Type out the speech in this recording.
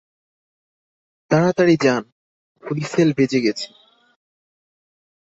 তাড়াতাড়ি যান, হুইসেল বেজে গেছে।